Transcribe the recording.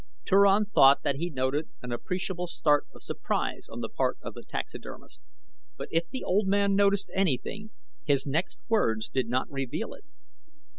Turan thought that he noted an appreciable start of surprise on the part of the taxidermist, but if the old man noticed anything his next words did not reveal it.